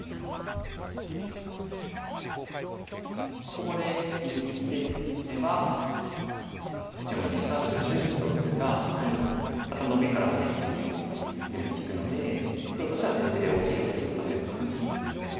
ここで右にツケれば一応右下は白地になりそうですがあとノビからハネツギ全部利くので黒としては先手で大きいヨセを打ったという感じになります。